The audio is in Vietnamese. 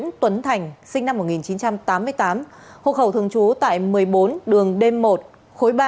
nguyễn tuấn thành sinh năm một nghìn chín trăm tám mươi tám hộ khẩu thường trú tại một mươi bốn đường đêm một khối ba